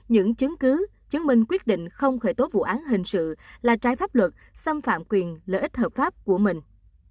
những chứng cứ chứng minh quyết định không khởi tố vụ án hình sự là trái pháp luật xâm phạm quyền lợi ích hợp pháp của mình